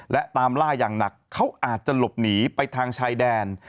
และตามล่าอย่างหนักเขาอาจจะหลบหนีไปทางชายแดน